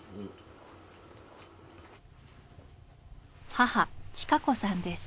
母千賀子さんです。